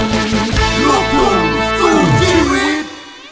ลูกคุมสู่ชีวิต